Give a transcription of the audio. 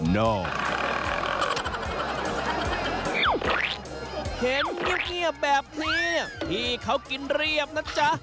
นอกเห็นเงียบแบบนี้พี่เขากินเรียบนะจ๊ะ